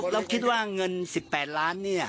เราคิดว่าเงิน๑๘ล้านเนี่ย